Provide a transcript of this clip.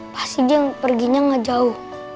pasti dia perginya gak jauh